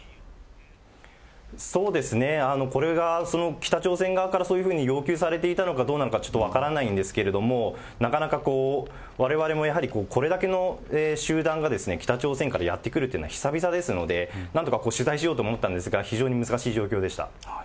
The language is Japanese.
そうですね、これが北朝鮮側からそういうふうに要求されていたのかどうなのかちょっと分からないんですけど、なかなかわれわれもやはり、これだけの集団が北朝鮮からやって来るというのは久々ですので、なんとか取材しようと思ったんですが、非常に難しい状況でした。